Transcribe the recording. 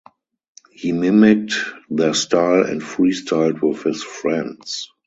He mimicked their style and freestyled with his friends.